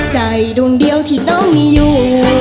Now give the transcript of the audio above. ใจดวงเดียวที่น้องมีอยู่